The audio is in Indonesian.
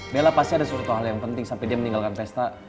bella pasti ada suatu hal yang penting sampai dia meninggalkan pesta